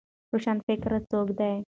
روشنفکر څوک دی؟